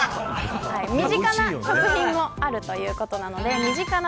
身近な食品もあるということです。